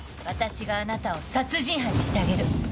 私があなたを殺人犯にしてあげる。